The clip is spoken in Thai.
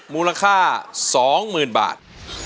มูลค่า๒๐๐๐บาท